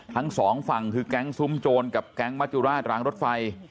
ทั้งสองฝั่งคือแก๊งซุ้มโจรกับแก๊งมัจจุราชรางรถไฟ